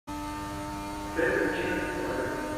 Fermu ĉiujn pordojn!